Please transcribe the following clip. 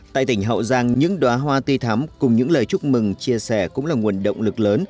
tại tỉnh hậu giang những đoá hoa tươi thắm cùng những lời chúc mừng chia sẻ cũng là nguồn động lực lớn